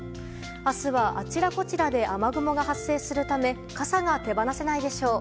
明日は、あちらこちらで雨雲が発生するため傘が手放せないでしょう。